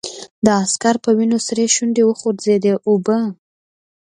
د عسکر په وينو سرې شونډې وخوځېدې: اوبه!